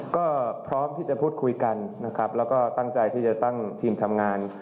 ก็พร้อมที่จะพูดคุยกันและตั้งใจที่จะตั้งทีมทำงาน